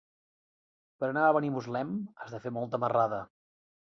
Per anar a Benimuslem has de fer molta marrada.